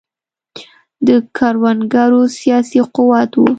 د کروندګرو سیاسي قوت و.